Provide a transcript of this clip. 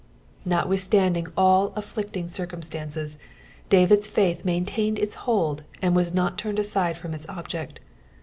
Notwithstanding all afflicting circum stances, David's faith maintained its huld, and vaa not turned aside from its object.